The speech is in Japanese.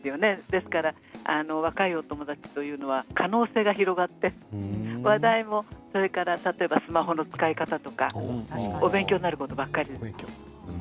ですから、若いお友達というのは可能性が広がって話題も、例えばスマホの使い方とかお勉強になることばっかりです。